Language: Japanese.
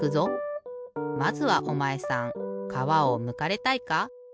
まずはおまえさんかわをむかれたいか？